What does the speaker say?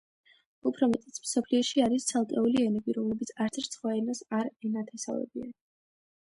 უფრო მეტიც, მსოფლიოში არის ცალკეული ენები, რომლებიც არცერთ სხვა ენას არ ენათესავებიან.